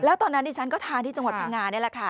แล้วตอนนั้นดิฉันก็ทานที่จังหวัดพังงานี่แหละค่ะ